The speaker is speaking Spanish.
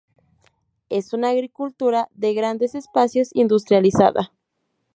Es una agricultura de grandes espacios, industrializada.